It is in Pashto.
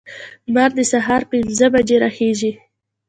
لمر د سهار پنځه بجې راخیزي.